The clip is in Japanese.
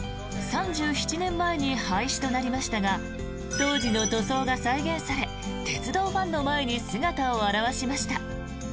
３７年前に廃止となりましたが当時の塗装が再現され鉄道ファンの前に姿を現しました。